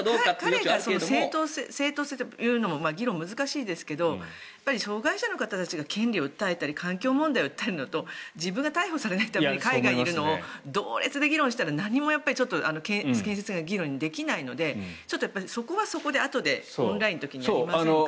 正当性というのも議論は難しいですが障害者の方たちが権利を訴えたり環境のことを訴えるのと自分が逮捕されないために出席しないというのを同一で議論したら何も建設的な議論はできないのでちょっとそこはそこであとでオンラインの時にやりませんか。